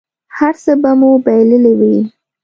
هر څه به مو بایللي وي.